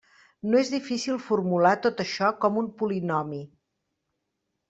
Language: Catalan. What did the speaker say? No és difícil formular tot això com un polinomi.